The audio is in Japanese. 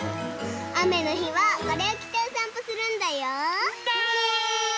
あめのひはこれをきておさんぽするんだよ。ね。